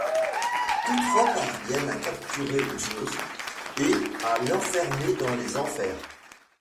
Tous trois parviennent à capturer Zeus et à l'enfermer dans les Enfers.